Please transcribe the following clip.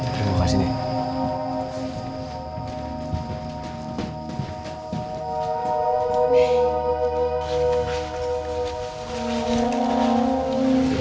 terima kasih nek